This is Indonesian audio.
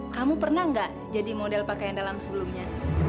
kamu pernah nggak jadi model pakaian dalam sebelumnya